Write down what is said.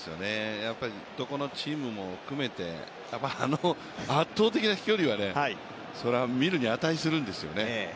どこのチームも含めて、あの圧倒的な飛距離は、それは見るに値するんですよね。